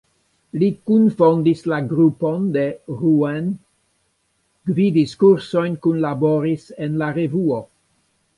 Li kunfondis la grupon de Rouen, gvidis kursojn, kunlaboris en la Revuo.